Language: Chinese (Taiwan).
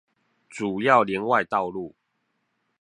主要聯外道路